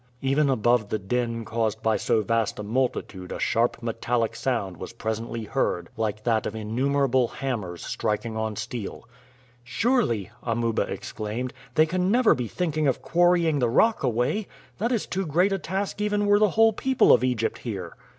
Even above the din caused by so vast a multitude a sharp metallic sound was presently heard like that of innumerable hammers striking on steel. "Surely," Amuba exclaimed, "they can never be thinking of quarrying the rock away! That is too great a task even were the whole people of Egypt here."